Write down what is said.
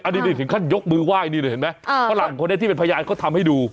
นี่ถึงขั้นยกมือไหว้นี่เห็นไหมฝรั่งคนนี้ที่เป็นพยานเขาทำให้ดู